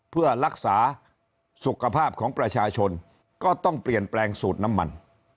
เพื่อรักษาสุขภาพของประชาชนก็ต้องเปลี่ยนแปลงสูตรน้ำมัน